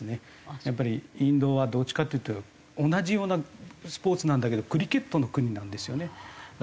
やっぱりインドはどっちかっていうと同じようなスポーツなんだけどクリケットの国なんですよね。